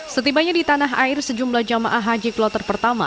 setibanya di tanah air sejumlah jamaah haji kloter pertama